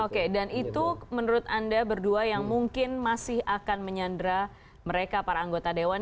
oke dan itu menurut anda berdua yang mungkin masih akan menyandra mereka para anggota dewan